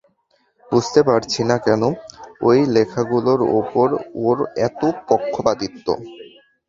বুঝতে পারি না কেন ওই লেখাগুলোর ওপর ওর এত পক্ষপাতিত্ব।